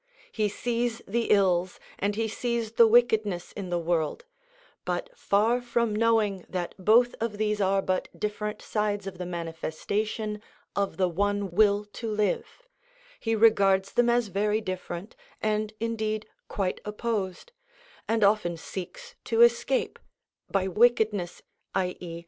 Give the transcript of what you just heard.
He sees the ills and he sees the wickedness in the world, but far from knowing that both of these are but different sides of the manifestation of the one will to live, he regards them as very different, and indeed quite opposed, and often seeks to escape by wickedness, _i.e.